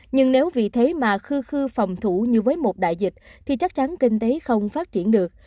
nhưng nếu vì thế mà khư phòng thủ như với một đại dịch thì chắc chắn kinh tế không phát triển được